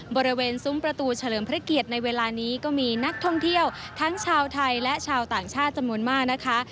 บริเวณซุ้มประตูเฉลิมพระเกียรติในเวลานี้ก็มีนักท่องเที่ยวทั้งชาวไทยและชาวต่างชาติจำนวนมากนะคะ